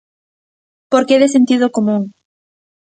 Porque é de sentido común.